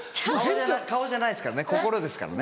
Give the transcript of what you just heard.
顔じゃないですからね心ですからね。